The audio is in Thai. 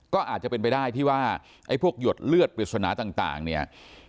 ก็อาจจะเป็นไปได้ที่ว่าไอ้พวกหยดเลือดปริศนาต่างเนี่ย